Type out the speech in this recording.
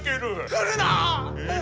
来るな！